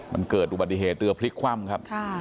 มันเกิดอุบัติเหตุเรือพลิกคว่ำครับ